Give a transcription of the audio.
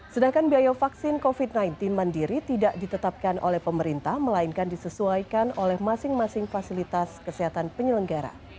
sedangkan biaya vaksin covid sembilan belas mandiri tidak ditetapkan oleh pemerintah melainkan disesuaikan oleh masing masing fasilitas kesehatan penyelenggara